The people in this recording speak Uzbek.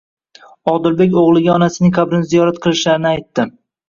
Odilbek o'g'liga onasining qabrini ziyorat qilishlarini aytdi